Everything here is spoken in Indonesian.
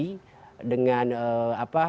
dan juga dengan kekuatan